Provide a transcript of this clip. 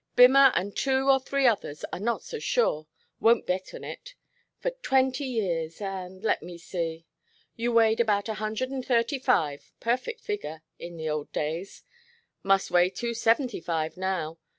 Bimmer and two or three others are not so sure won't bet on it for twenty years, and, let me see you weighed about a hundred and thirty five perfect figger in the old days. Must weigh two seventy five now.